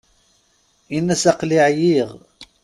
In'as aql-i ɛyiɣ.